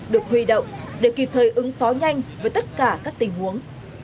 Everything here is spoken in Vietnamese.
được huy động để kịp thời ứng phó nhanh với tất cả các tình huống